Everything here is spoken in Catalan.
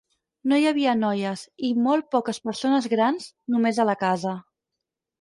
No hi havia noies, i molt poques persones grans, només a la casa.